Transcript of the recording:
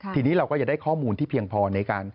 ทีนี้เราก็จะได้ข้อมูลที่เพียงพอในการ